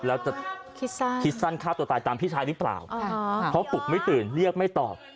แล้วจะคิดสั้นคิดสั้นฆ่าตัวตายตามพี่ชายหรือเปล่าเพราะปลุกไม่ตื่นเรียกไม่ตอบ